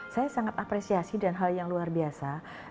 saya sangat apresiasi dan hal yang luar biasa